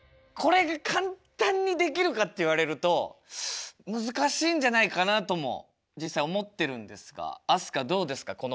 これが簡単にできるかって言われると難しいんじゃないかなとも実際思ってるんですが飛鳥どうですか？